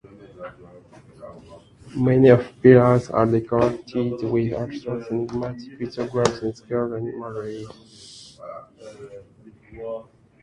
Many of the pillars are decorated with abstract, enigmatic pictograms and carved animal reliefs.